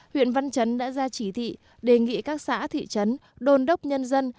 huyện văn chấn đã ra chỉ thị đề nghị các xã thị trấn đôn đốc nhân dân